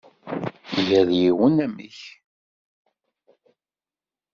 Yal yiwen amek.